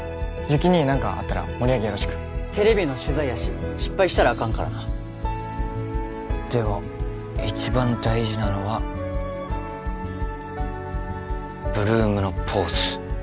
有起兄何かあったら盛り上げよろしくテレビの取材やし失敗したらあかんからなでも一番大事なのは８ＬＯＯＭのポーズ